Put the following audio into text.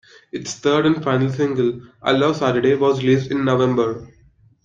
Its third and final single, "I Love Saturday" was released in November.